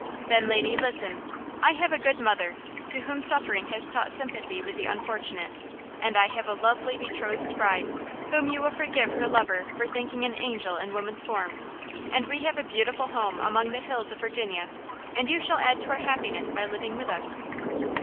Then, lady, listen: I have a good mother, to whom suffering has taught sympathy with the unfortunate, and I have a lovely betrothed bride, whom you will forgive her lover for thinking an angel in woman's form; and we have a beautiful home among the hills of Virginia, and you shall add to our happiness by living with us."